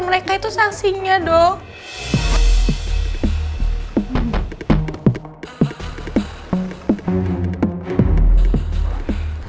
mereka itu saksinya dok